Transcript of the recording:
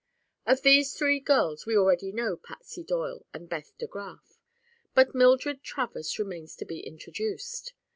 Of these three girls we already know Patsy Doyle and Beth DeGraf, but Mildred Travers remains to be introduced.